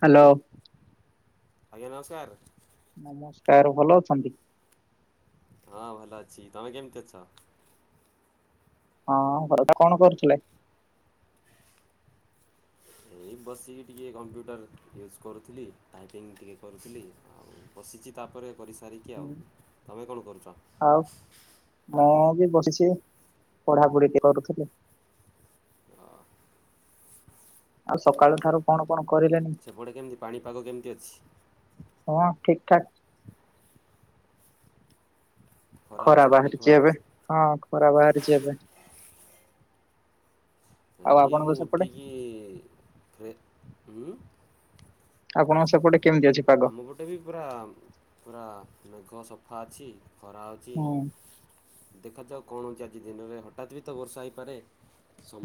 Hello. ଆଜ୍ଞା, ନମସ୍କାର। ନମସ୍କାର, ଭଲ ଅଛନ୍ତି। ହଁ ଭଲ ଅଛି ତମେ କେମିତି ଅଛ? ହଁ ଘରେ ଏକା କଣ କରୁଥିଲେ? ଏଇ ବସିକି ଟିକେ କମ୍ପ୍ୟୁଟର ଇଉଜ୍ କରୁଥିଲି, ଟାଇପିଙ୍ଗ୍ ଟିକେ କରୁଥିଲି, ଆଉ ବସିଚି ତାପରେ କରିସାରିକି ଆଉ ତମେ କଣ କରୁଛ? ଆଉ ମୁଁ ବି ବସିଛି ପଢ଼ାପଢ଼ି ବି କରୁଥିଲି। ଅ ଆଉ ଅ, ସକାଳୁ ଠାରୁ କଣ କଣ କରିଲେଣି? ସେପଟେ କେମତି ପାଣିପାଗ କେମତି ଅଛି? ହଁ ଠିକ ଠାକ। ଖରା ହେଉଛି ନା ମେଘୁଆ ବାହାରିଛି ଏବେ, ହେଉଛି? ହଁ ଖରା ବାହାରିଛି ଏବେ। ଆଉ ଏଇ ଆପଣଙ୍କ ମୁଁ ସେପଟେ ଉଠିକି ରେ ଉଁ। ଆପଣଙ୍କ ସେପଟେ କେମିତି ଅଛି ପାଗ? ଆମ ପଟେ ବି ପୁରା ପୁରା ମେଘ ସଫା ଅଛି। ଖରା ହଉଛି ହୁଁ ଦେଖାଯାଉ କଣ ହଉଛି ଆଜି ଦିନରେ ହଠାତ୍ ବି ତ ବର୍ଷା ହେଇପାରେ।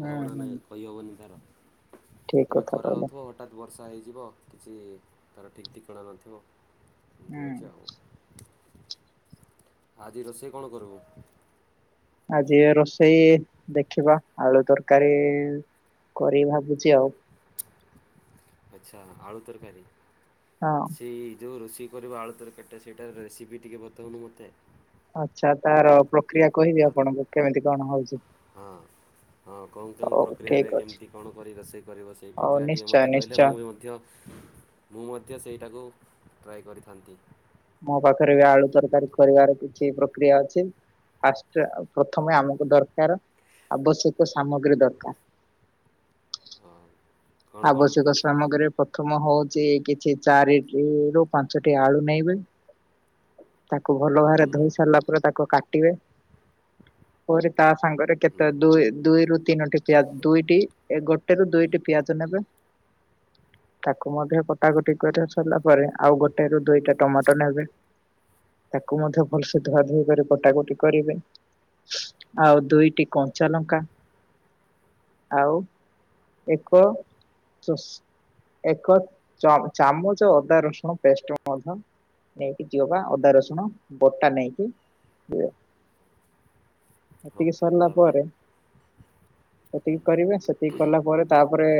ହୁଁ ହୁଁ ନାହିଁ କହିହବନି ତାର ଠିକ ଏବେ କଥା ଖରା କହିଲେ। ହେଉଥିବ ହଠାତ୍ ବର୍ଷା ହେଇ ଯିବ କିଛି ତାର ଠିକ୍ ଠିକଣା ନଥିବ। ଏମିତି ହୁଁ। ହେଉଛି ଆଉ ଆଜି ରୋଷେଇ କଣ କରିବୁ? ଆଜି ରୋଷେଇ ଦେଖିବା ଆଳୁ ତରକାରୀ କରିବି ଭାବୁଚି ଆଉ। ଆଚ୍ଛା ଆଳୁ ତରକାରୀ। ହଁ ସେଇ ଯେଉଁ ରୋଷେଇ କରିବୁ ଆଳୁ ତରକାରି ଟା ସେଟା ରେସିପି ଟିକେ ବତଉନୁ ମୋତେ। ଆଚ୍ଛା ତାର ପ୍ରକ୍ରିୟା କହିବି ଆଉ ଆପଣଙ୍କୁ କେମିତି କଣ ହଉଛି? ହଁ ହଁ କଉଁ କେଉଁ ହଉ ଠିକ ପ୍ରକ୍ରିୟାରେ ଅଛି। କେମିତି କଣ କରି ରୋଷେଇ କରିବ, ସେଇ ହଉ ପ୍ରକ୍ରିୟା ଟିକେ ନିଶ୍ଚୟ ମୋତେ କହିଲେ, ନିଶ୍ଚୟ ମୁଁ ବି ମଧ୍ୟ ମୁଁ ମଧ୍ୟ ସେଇଟାକୁ ଟ୍ରାଏ କରିଥାନ୍ତି। ମୋ ପାଖରେ ବି ଆଳୁ ତରକାରୀ କରିବାର କିଛି ପ୍ରକ୍ରିୟା ଅଛି। ଫାଷ୍ଟ ପ୍ରଥମେ ଆମକୁ ଦରକାର ଆବଶ୍ୟକ ସାମଗ୍ରୀ ଦରକାର। ହଁ। କ'ଣ କ'ଣ ଆବଶ୍ୟକ ସାମଗ୍ରୀ ପ୍ରଥମ ହଉ କିଛି କିଛି ଚାରିଟି ରୁ ପାଞ୍ଚଟି ଆଳୁ ନେଇବେ। ତାକୁ ଭଲ ହୁଁ ଭାବରେ ଧୋଇ ସାରିଲା ପରେ ତାକୁ କାଟିବେ। [inaudible] ପରେ ତା ସାଙ୍ଗରେ ହୁଁ କେତେ ଦୁଇ ଦୁଇ ଦୁଇରୁ ତିନୋଟି ପିଆଜ ଦୁଇଟି ଏ ଗୋଟେ ରୁ ଦୁଇଟି ପିଆଜ ନେବେ। [inaudible] ତାକୁ ମଧ୍ୟ କଟାକଟି କରି ସରିଲା ପରେ ଆଉ ଗୋଟେ ରୁ ଦୁଇଟା ଟମାଟୋ ନେବେ ତାକୁ ମଧ୍ୟ ଭଲସେ ଧୁଆ ଧୋଇ କରି କଟାକଟି କରିବେ। ଆଉ ଦୁଇଟି କଞ୍ଚା ଲଙ୍କା ଆଉ ଏକ ଏକ ଚ ଚାମୁଚ ଅଦା ରସୁଣ ପେଷ୍ଟ ମଧ୍ୟ ନେଇକି ଯିବ ବା ଅଦା ରସୁଣ ବଟା ନେଇକି ଯିବ। [inaudible] ସେତିକି ଓକେ ସରିଲା ତାପରେ ପରେ ସେତିକି କରିବେ ସେତିକି କଲା ପରେ ତାପରେ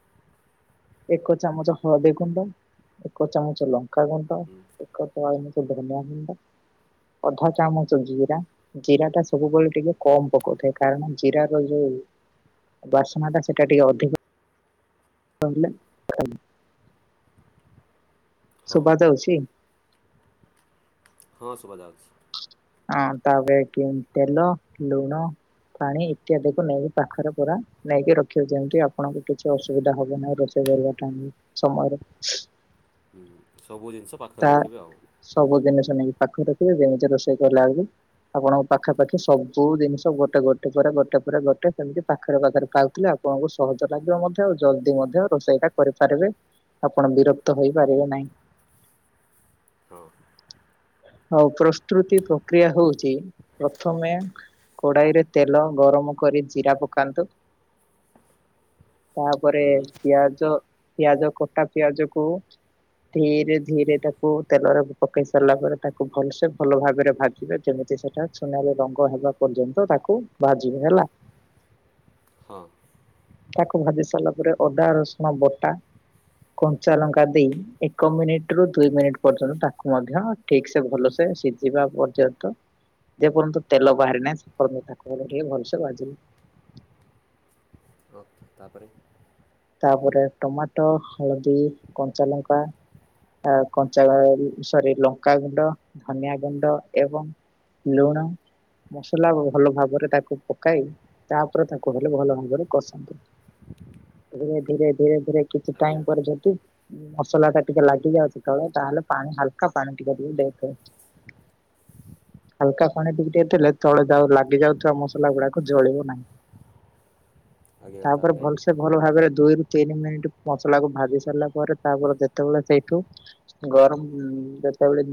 [inaudible] ଏକ ଚାମଚ ହଳଦୀ ଗୁଣ୍ଡ ଏକ ଚାମଚ ଲଙ୍କା ଗୁଣ୍ଡ, ହୁଁ ଏକ ଚାମୁଚ ଧନିଆ ଗୁଣ୍ଡ। ଅଧା ଚାମଚ ଜିରା, ଜିରା ଟା ସବୁବେଳେ ଟିକେ କମ ପକଉଥାଏ କାରଣ ଜିର ର ଯୋଉ [inaudible] ବାସ୍ନା ଟା ସେଟା ଟିକେ ଅଧିକ [unintelligible] ହଉ ସୁଭା ଯାଉଚି? ହଁ ଶୁଭା ଯାଉଛି। ହଁ ତାପରେ କି ତେଲ ଲୁଣ ପାଣି ଇତ୍ୟାଦିକୁୁ ନେଇକି ପାଖରେ ପୁରା ନେଇକି ରଖିବେ ଯେମିତି ଆପଣଙ୍କୁ କିଛି ଅସୁବିଧା ହବ ନାହିଁ ରୋଷେଇ। କରିବା ଟାଇମରେ ସମୟରେ ହୁଁ। ସବୁ ଜିନିଷ ପାଖରେ ତା ରଖିବେ ଆଉ ସବୁ ଜିନଷ ନେଇ ପାଖରେ ରଖିବେ ଯେମିତି ରୋଷେଇ କରଲେ ବେଳକୁ ଆପଣଙ୍କ ପାଖାପାଖି ସବୁ ଜିନିଷ ଗୋଟେ ଗୋଟେ ପରେ ଗୋଟେ ପରେ ଗୋଟେ ସେମିତି ପାଖରେ ପାଖରେ ପାଉଥିଲେ ଆଉ ଆପଣଙ୍କୁ ସହଜ ଲାଗିବ ମଧ୍ୟ ଆଉ ଜଲଦି ମଧ୍ୟ ରୋଷେଇ ଟା କରିପାରିବେ। ଆପଣ ବିରକ୍ତ ହେଇପାରିବେ ନାହିଁ। ହଁ। ହଉ ପ୍ରସ୍ତୁତି ପ୍ରକ୍ରିୟା ହଉଚି ପ୍ରଥମେ କୋଡାଇରେ ତେଲ ଗରମ କରି ଜିରା ପକାନ୍ତୁ। [inaudible] ତାପରେ ହୁଁ ପିଆଜ। ପିଆଜ କଟା ପିଆଜ କୁ ଧୀରେ ଧିରେ ତାକୁ ତେଲରେ ପକେଇ ସାରିଲା ପରେ ତାକୁ ଭଲସେ ଭଲ ଭାବରେ ଭାଜିବେ, ଯେମିତି ସେଟା ସୁନାରେ ରଙ୍ଗ ହେବା ପର୍ଯ୍ୟନ୍ତ ତାକୁ ଭାଜିବେ। ହେଲା। ହଁ। ତାକୁ ଭାଜି ସାରିଲା ପରେ ଅଦା ରସୁଣ ବଟା କଞ୍ଚା ଲଙ୍କା ଦେଇ ଏକ ମିନିଟରୁ ଦୁଇ ମିନିଟ ପର୍ଯ୍ୟନ୍ତ ତାକୁ ମଧ୍ୟ ଠିକ ସେ ଭଲସେ ସିଝିବା ପର୍ଯ୍ୟନ୍ତ ଯେପର୍ଯ୍ୟନ୍ତ ତେଲ ବାହାରି ନାହି ସେପର୍ଯ୍ୟନ୍ତ ତାକୁ ଟିକେ ଭଲସେ ବାଜିଲେ। ଓ ତାପରେ ତାପରେ ଟମାଟୋ ହଳଦୀ କଞ୍ଚାଲଙ୍କା ଆ କଞ୍ଚା ସରି ଲଙ୍କାଗୁଣ୍ଡ ଧନିଆ ଗୁଣ୍ଡ ଏବଂ ଲୁଣ। ମସଲା ଭଲ ଭାବରେ ତାକୁ ପକାଇ ତାପରେ ତାକୁ ହେଲେ ଭଲ ଭାବରେ କଷନ୍ତୁ। [inaudible] ଧୀରେ ଧୀରେ ଧୀରେ ଧୀରେ କିଛି ଆଜ୍ଞା ଟାଇମ ପରେଛନ୍ତି ମସଲାଟା ଟିକେ ଲାଗିଯାଉଚି କ ତାହଲେ ପାଣି ହାଲକା ପାଣି ଟିକେ ଟିକେ ଦେଇଥିବେ। ହାଲକା ପାଣି ଟିକେ ଟେ ଦେଇଦେଲେ ତଳେ ଯାଉ ଲାଗି ଯାଉଥିବା ମସଲା ଗୁଡାକ ଜଳିବ ନାହିଁ। ଆଜ୍ଞା ତାପରେ ଭଲ ଭାବରେ ଦୁଇ ରୁ ତିନି ମିନିଟ୍ ମସଲାକୁ ଭାଜି ସାରିଲା ପରେ ତାପରେ ଯେତେବେଲେ ସେଇଠୁ ଗ ହୁଁ ଯେତେବେଳେ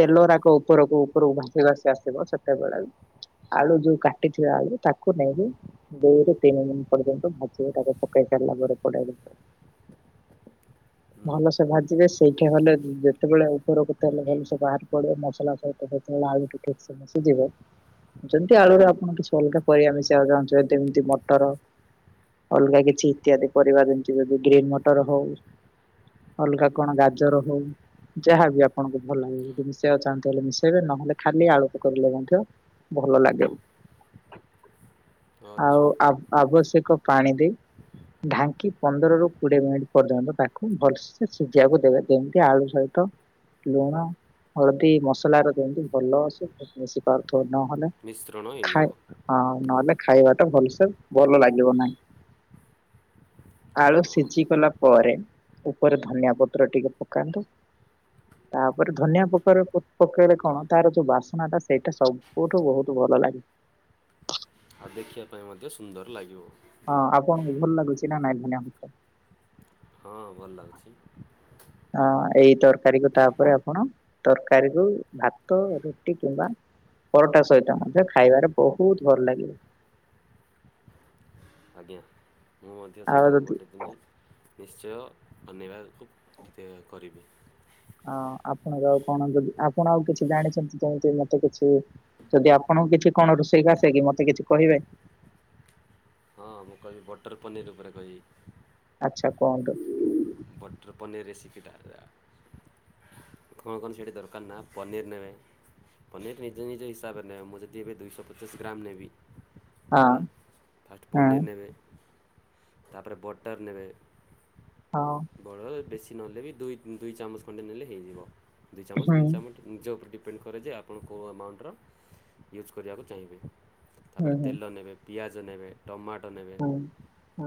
ତେଲରାକ ଉପରକୁ ଉପରକୁ ଭାସି ଭାସି ଆସିବ ସେତେବେଳେ ଆଳୁ ଯୋଉ କାଟି ଥିବେ ଆଳୁ ତାକୁ ନେଇକି ଦୁଇ ରୁ ତିନିି ମିନିଟ୍ ପର୍ଯନ୍ତ ଭାଜନ୍ତୁ। ଇଏ ଟାକୁ ପକେଇ ସାରିଲ ପରେ କଡେଇ ରେ ହୁଁ ଭଲସେ ଭାଜିବେ ସେଇଠି ହେଲେ ଯେତେବେଳେ ଉପରକୁ ତେଲ ଭଲସେ ବାହାରି ପଡିବ ମସଲା ସହିତ ଯେତେଳେ ଆଲୁ ଟିକେ ସିଝିଯିବ ଯେମିତି ଆଳୁରେ ଆପଣଙ୍କ କିଛି ଅଲଗା କରିବା ପାଇଁ ଇଛା ଚାହୁଁଛନ୍ତି ଯେମିତି ମଟର ଅଲଗା କିଛି ଇତ୍ୟାଦି ପରିବା ଯେମିତି ଜଦି ଗ୍ରୀନ୍ ମଟର ହଉ ଅଲଗା କଣ ଗାଜର ହଉ ଯାହାବି ଆପଣଙ୍କୁ ଭଲ ଲାଗ ଯଦି ମିଶାଇବାକୁ ଚାହାନ୍ତି ବୋଲେ ମିଶେଇବେ ନହେଲେ ଖାଲି ଆଳୁ କୁ [unintelligible] ଭଲ ଲାଗେ। ଆଉ ଆଚ୍ଛା ଆବ ଆବଶ୍ୟକ ପାଣି ଦେଇ ଢାଙ୍କି ପନ୍ଦରରୁୁ କୋଡିଏ ମିନିଟ୍ ପର୍ଯ୍ୟନ୍ତ ତାକୁ ଭଲସେ ସିଝିବାକୁ ଦେବେ ଯେମିତି ଆଳୁ ସହିତ ଲୁଣ ହଳଦୀ ମସଲାରେ ବିନ୍ଦୁ ଭଲସେ ମିଶି ପାରୁ ନହେଲେ ମିଶ୍ରଣ ହେଇଯିବ ଖାଇ ହଁ ନହେଲେ ଖାଇବା ଟା ଭଲସେ ଭଲ ଲାଗିବ ନାହିଁ। ଆଳୁ ଓହୋ ସିଝି ଗଲା ପରେ ଉପରେ ଧନିଆ ପତ୍ର ଟିକେ ପକାନ୍ତୁ ତାପରେ ଧନିଆ ପତ୍ର ପ ପକେଇଲେ କଣ ତାର ଯୋଉ ବାସନା ଟା ସେଇଟା ସବୁଠୁ ବହୁତ ଭଲ ଭଲ ଲାଗେ ଆଉ ଦେଖିବା ପାଇଁ ମଧ୍ୟ ସୁନ୍ଦର ଲାଗିବ। ହଁ ଆପଣଙ୍କୁ ଭଲ ଲାଗୁଛି ନା ନାଇଁ ଧନିଆପତ୍ର? ହଁ ଭଲ ଲାଗୁଚି। ଅ ଏଇ ତରକାରୀକୁ ତାପରେ ଆପଣ ତରକାରୀ ରୁ ଭାତ ରୁଟି କିମ୍ବା ପରଟା ସହିତ ମଧ୍ୟ ଖାଇବାରେ ବହୁତ ଭଲ ଲାଗିବ। ଆଜ୍ଞା ମୁଁ ମଧ୍ୟ ଆଉ ସେଇଟାକୁ ଯଦି ଗୋଟେଦିନି ନିଶ୍ଚୟ ଶନିବାର କୁ ଏ କରିବି। ହଁ ଆପଣ ଆଉ କଣ ଯଦି ଆପଣ ଆଉ କିଛି ଜାଣିଛନ୍ତି କେମିତି ମତେ କିଛି ଯଦି ଆପଣଙ୍କୁ କିଛି କଣ ରୋଷେଇ ଆସେ କି ମତେ କିଛି କହିବେ? ହଁ ମୁଁ କହିବି ବଟର ପନିର୍ ଉପରେ କହିବି। ଆଛା କୁହନ୍ତୁ। ବଟର ପନିରୀ ରେସିପିଟା ହେଲା କଣ କଣ ସେଠି ଦରକାର ନା ପନିର ନେବେ ପନିର ନିଜ ନିଜ ହିସାବରେ ନେବେ ମୁଁ ଯଦି ଏବେ ଦୁଇଶହ ପଚାଶ ଗ୍ରାମ ନେବି ହଁ ହେଲା ଫାଷ୍ଟ ହଁ ପନିର୍ ନେବେ ତାପରେ ବଟର୍ ନେବେ ହଁ। ବଡ଼ ବେଶୀ ନହେଲେ ବି ଦୁଇ ଉଁ ଦୁଇ ଚାମଚ ଖଣ୍ଡେ ନେଲେ ହେଇଯିବ ଦୁଇ ଚାମଚ ହୁଁ ତିନି ଚାମଚ ନିଜ ଉପରେ ଡିପେ ଡିପେଣ୍ଡ କରେ ଯେ ଆପଣ କେଉଁ ଆମାଉଣ୍ଟର ୟୁଜ୍ କରିବାକୁ ଚାହିଁବେ ହୁଁ ତାପରେ ହୁଁ ତେଲ ନେବେ ପିଆଜ ନେବେ ଟମାଟ ନେବେ ହୁଁ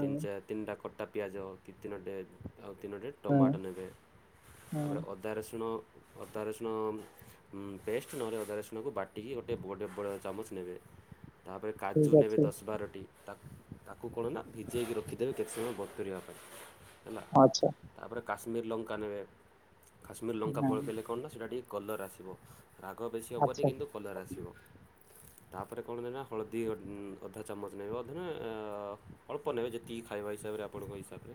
ତିନି ଚାରି ତିନିଟା କଟା ପିଆଜ କି ତିନୋଟେ ଆଉ ତିନୋଟି ହୁଁ ଟମାଟୋ ନେବେ ହୁଁ ତାପରେ ଅଦା ରସୁଣ ଅଦା ରସୁଣ ମଁ ପେଷ୍ଟ ନହେଲେ ଅଦା ରସୁଣକୁ ବାଟିକି ଗୋଟେ ବଡ଼ ବଡ଼ ଚାମଚ ନେବେ ତାପରେ କାଜୁ ଠିକ ନେବେ ଅଛି ଦଶ ବାରଟି ତା ତାକୁ କଣ ନା ଭିଜେଇକି ରଖିଦେବେ କେତେ ସମୟ ବତୁରି ପାଇଁ ହେଲା ଆଚ୍ଛା। ତାପରେ କାଶ୍ମୀର ଲଙ୍କା ନେବେ କାଶ୍ମୀର ଲଙ୍କା ହଁ ପଳକେଇଲେ କଣ ନା ସେଇଟା ଟିକେ କଲର୍ ଆସିବ ରାଗ ବେଶୀ ହବନି ଆଚ୍ଛା କିନ୍ତୁ କଲର ଆସିବ ତାପରେ କଣ ନେବେ ନା ହଳଦୀ ଗୋ ଅଁ ଅଧା ଚାମଚ ନେବେ ଅଧେ ନେ ଅ ଅ ଅଳ୍ପ ନେବେ ଯେତିକି ଖଇବା ହିସିବ ରେ ଆପଣଙ୍କ ହିସାବରେ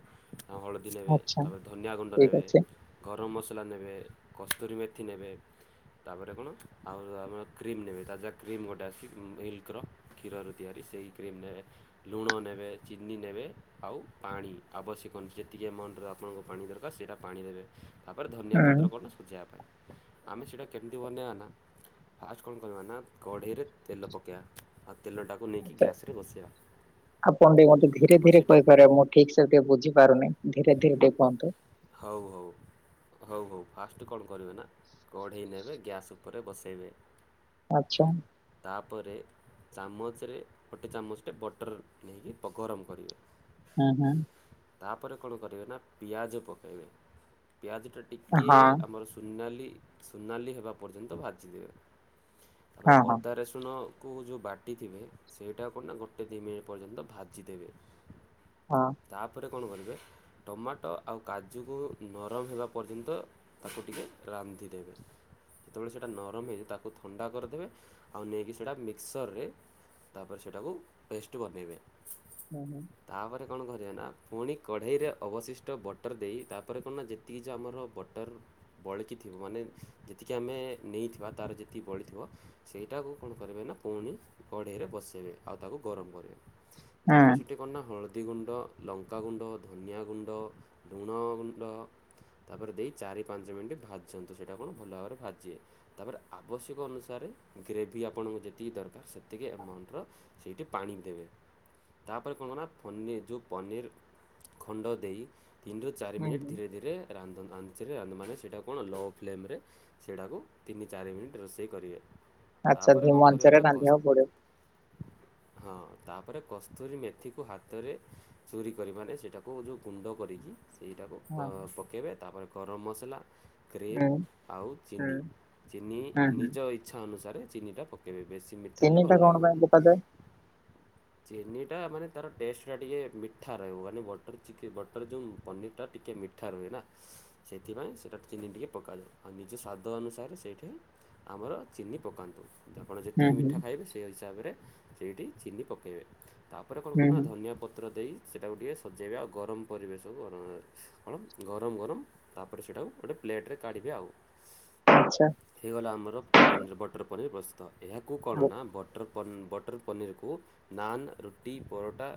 ଅଁ ହଳଦୀ ନେବେ ଆଚ୍ଛା ତା ପରେ ଧନିଆଗୁଣ୍ଡ ଠିକ ନେବେ ଅଛି ଗରମ ମସଲା ମସଲା ନେବେ କସ୍ତୁରୀ ମେଥି ନେବେ ତାପରେ କଣ ଆଉ ଆମର କ୍ରିମ୍ ନେବେ ତା ଯା କ୍ରିମ୍ ଗୋଟେ ଆସିଛି ମିଲ୍କର କ୍ଷୀରରୁ ତିଆରି। ସେଇ କ୍ରିମ୍ ନେବେ ଲୁଣ ନେବେ ଚିନି ନେବେ ଆଉ ପାଣି ଆବଶ୍ୟକ ଯେ ଏତିକି ଆମାଉଣ୍ଟରେ ଆପଣଙ୍କୁ ପାଣି ଦରକାର ସେଇଟା ପାଣି ଦେବେ ତାପରେ ଧନିଆ ହୁଁ ପତ୍ର ଆଚ୍ଛା କଣ ଶଝେଇବା ପାଇଁ। ଆମେ ସେଇଟା କେମିତି ବନେଇବା ନା। ଫାଷ୍ଟ କଣ କରିବା ନା କଢ଼େଇରେ ତେଲ ପକେଇବା ଆଉ ତେଲଟାକୁ ନେଇକି ଗ୍ୟାସରେ ବସେଇବା। ଆପଣ ଟିକେ ମତେ ଧୀରେ ଧୀରେ କହିପାରିବେ ମୁଁ ଠିକ ସେ ଟିକେ ବୁଝିପାରୁନି। ଧୀରେ ଧୀରେ ଟିକେ କୁହନ୍ତୁ। ହଉ ହଉ। ହଉ ହଉ ଫାଷ୍ଟ କଣ କରିବେ ନା କଢ଼େଇ ନେବେ ଗ୍ୟାସ୍ ଉପରେ ବସେଇବେ। ଆଚ୍ଛା ତାପରେ ଚାମଚରେ ଗୋଟେ ଚାମଚଟେ ବଟର୍ ନେଇକି ଗରମ କରିବେ। ହଁ ହଁ। ତାପରେ କଣ କରିବେ ନା ପିଆଜ ପକାଇବେ। ପିଆଜଟା ହଁ ଟିକିଏ ଆମର ସୁନାଲି ସୁନାଲି ହେବା ପର୍ଯ୍ୟନ୍ତ ଭାଜିଦେବେ। ତାପରେ ହଁ ହଁ ଅଦା ରେସୁଣ କୁ ଯେଉଁ ବାଟିଥିବେ ସେଇଟା କଣ ନା ଗୋଟେ ଦୁଇ ମିନିଟ୍ ପର୍ଯ୍ୟନ୍ତ ଭାଜିଦେବେ। ହଁ। ତାପରେ କଣ କରିବେ ଟମାଟୋ ଆଉ କାଜୁକୁ ନରମ ହେଲା ପର୍ଯ୍ୟନ୍ତ ତାକୁ ଟିକଏ ରାନ୍ଧିଦେବେ। ଯେତେବେଳେ ସେଇଟା ନରମ ହେଇଯ ତାକୁ ଥଣ୍ଡା କରିଦେବେ ଆଉ ନେଇକି ସେଇଟା ମିକ୍ସରରେ ତାପରେ ସେଇଟାକୁ ପେଷ୍ଟ ବନାଇବେ। ହୁଁ ହୁଁ। କଣ କରିବେ ନା ପୁଣି କଢେଇରେ ଅବଶିଷ୍ଟ ବଟ। [unintelligible] ବଟର ଦେଇ ତାପରେ କଣ ନା ଯେତିକି ଯେ ଆମର ବଟର ବଳକି ଥିବ ମାନେ ଯେତିକି ଆମେ ନେଇ ଯେତିକି ବଳିଥିବ ସେଟାକୁ କଣ କରିବେ ନା ପୁଣି ଲଢ଼େଇରେ ବସେଇବେ ଆଉ ତାକୁ ଗରମ୍ ତାପରେ ହୁଁ ସେଠି କ ନା ହଳଦୀ ଗୁଣ୍ଡ, ଲଙ୍କାଗୁଣ୍ଡ, ଧନିଆ ଗୁଣ୍ଡ ଲୁଣ ଗୁଣ୍ଡ ତାପରେ ଦେଇ ଚାରି ପାଞ୍ଚ ମିନିଟ୍ ଭାଜନ୍ତୁ, ସେଇଟା କଣ ଭଲ ଭାବରେ ଭାଜିବେ? ତାପରେ ଆବଶ୍ୟକ ଅନୁସାରେ ଗ୍ରେଭି ଆପଣଙ୍କୁ ଯେତିକି ଦରକାର ସେତିକି ଆମାଉଣ୍ଟର ସେଇଠି ପାଣି ଦେବେ। ତାପରେ କଣ କ ନା ପନିର ଯୋଉ ପନିର ଖଣ୍ଡ ଦେଇ ତିନରୁ ଚାରି ହୁଁ ମିନି୍ ହୁଁ। ଧୀରେ ଧୀରେ ରାନ୍ଧନ୍ତୁ। ସେଥିରେ ରାନ୍ଧୁ ଅନୁମାନ ସେଇଟାକୁ ନଅ ଫ୍ଲେମ୍ ସେଇଟାକୁ ତିନି ଚାରି ମିନିଟ୍ ରୋଷେଇ କରିବେ। ଆଚ୍ଛା ତା'ପରେ ଧି କ'ଣ କରିବେ ମଞ୍ଚରେ ନା ହଁ ରାନ୍ଧିବାକୁ ପଡିବ। ତାପରେ କସ୍ତୁରୀ ମେଥିକୁ ହାତରେ ଚୋରିକରି ମାନେ ସେଇଟାକୁ ଗୁଣ୍ଡ କରିକି ସେଇଟାକୁ ପ ହଁ। ପକାଇବେ ତାପରେ ଗରମ ମସଲା ହୁଁ କ୍ରିମ୍ ଆଉ ହୁଁ ଚିନି ଚିନି ହୁଁ ହୁଁ ନିଜ ଇଚ୍ଛା ଅନୁସାରେ ଚିନିଟା ପକାଇବେ। ବେଶୀ ମିଠା ହେଲେ ଚିନି ଟା ଭଲ କଣ ପାଇଁ ଲାଗିବନି। ପକାଯାଏ? ଚିନି ଟା ମାନେ ତାର ଟେଷ୍ଟଟା ଟିକିେ ମିଠା ରହିବ ମାନେ ବଟର୍ ଚିକେ ବଟର୍ ଯେଉଁ ପନିରଟା ଟିକିଏ ମିଠା ରୁହେ ନା, ସେଇଥିପାଇଁ ସେଇଟା ଚିନି ଟିକି ପକାଯାଉ ଆଉ ନିଜ ସ୍ୱାଦ ଅନୁସାରେ ସେ ସେଇଠି ଆମର ଚିନି ପକାନ୍ତୁ। ଆପଣ ହୁଁ ଯେତିକି ହୁଁ ମିଠା ଖାଇବେ ସେ ହିସାବରେ ସେଇଠି ଚିନି ପକାଇବେ। ତାପରେ କଣ ହୁଁ କରୁନ ହୁଁ ଧନିଆ ପତ୍ର ଦେଇ ସେଟାକୁ ଟିକେ ସଜେଇବା ଆଉ ଗରମ କରିବେ। ସୁ ଗରମ ଗରମ ତାପରେ ସେଇଟାକୁ ଗୋଟେ ପ୍ଲେଟ୍ କାଢ଼ିବେ ଆଉ। ଆଚ୍ଛା ହେଇଗଲା ଆମର ପନ ବଟର ପନିର ପ୍ରସ୍ତୁତ। ଏହାକୁ କଣ ନା ବଟର ପ ବଟର୍ ପନୀରକୁ ନାନ୍, ରୁଟି, ପରଟା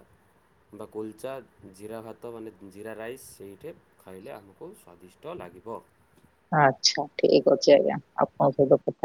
ବା କୁଲଚା ଜିରା ଭାତ ମାନେ ଜିରା ରାଇସ୍ ସେଇଠି ଖାଇଲେ ଆମକୁ ସ୍ଵାଦିଷ୍ଟ ଲାଗିବ। ଆଚ୍ଛା ଠିକ୍ ଅଛି, ଆଜ୍ଞା ଆପଣ ପ